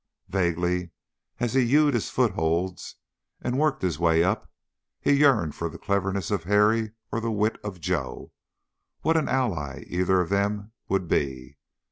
Vaguely, as he hewed his footholds and worked his way up, he yearned for the cleverness of Harry or the wit of Joe. What an ally either of them would be!